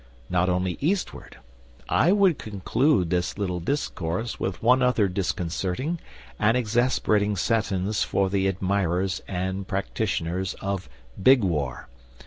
Not only eastward. I would conclude this little discourse with one other disconcerting and exasperating sentence for the admirers and practitioners of Big War.